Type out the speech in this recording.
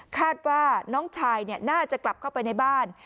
คาดว่าน้องชายน่าจะกลับเข้าไปในบ้าน